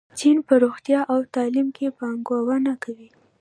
چین په روغتیا او تعلیم کې پانګونه کوي.